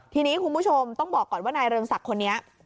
ทีนี้คุณผู้ชมต้องบอกก่อนว่านายเรืองศักดิ์คนนี้